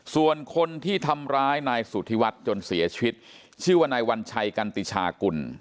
ส่วนคนที่ทำร้ายนายสุธิวัฒน์จนเสียชีวิตชื่อว่านายวัญชัยกันติชากุล